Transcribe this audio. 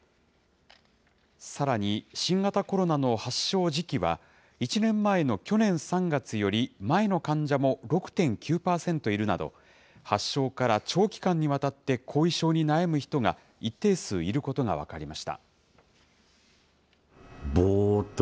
さらに、新型コロナの発症時期は、１年前の去年３月より前の患者も６．９％いるなど、発症から長期間にわたって、後遺症に悩む人が一定数いることが分かりました。